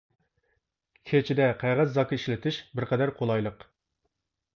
كېچىدە قەغەز زاكا ئىشلىتىش بىر قەدەر قولايلىق.